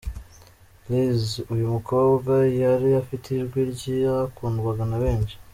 Lizz: uyu mukobwa yari afite ijwi ryakundwaga na benshi.